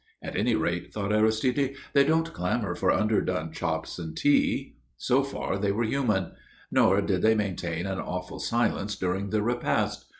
At any rate, thought Aristide, they don't clamour for underdone chops and tea. So far they were human. Nor did they maintain an awful silence during the repast.